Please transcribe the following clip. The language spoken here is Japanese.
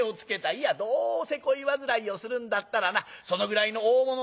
いやどうせ恋煩いをするんだったらなそのぐらいの大物のほうが楽しい。